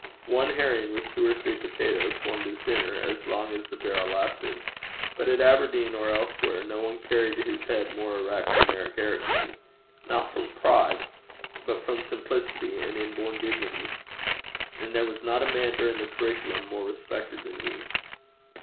One herring, with two or three potatoes, formed his dinner as long as the barrel lasted. But at Aberdeen or elsewhere no one carried his head more erect than Eric Ericson not from pride, but from simplicity and inborn dignity; and there was not a man during his curriculum more respected than he.